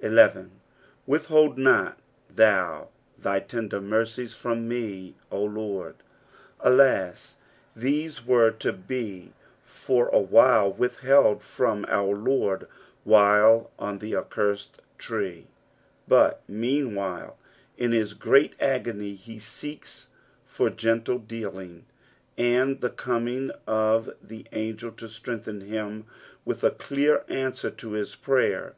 11. " Withhold not thou thy tender mereiet from me, 0 TMrd." Alas I these were to be for awhile withheld from our Lord while on the accun ed tree, but meanwhile in his great agony he seeks for gentle dealing ; and the coming of the angel to strengthen him was a clear answer to his prayer.